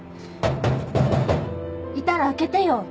いたら開けてよ。